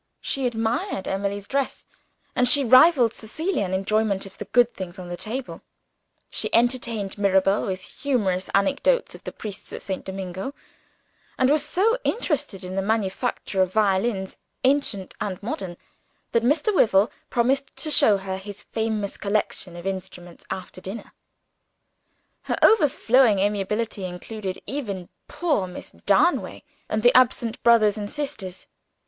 She admired Emily's dress, and she rivaled Cecilia in enjoyment of the good things on the table; she entertained Mirabel with humorous anecdotes of the priests at St. Domingo, and was so interested in the manufacture of violins, ancient and modern, that Mr. Wyvil promised to show her his famous collection of instruments, after dinner. Her overflowing amiability included even poor Miss Darnaway and the absent brothers and sisters.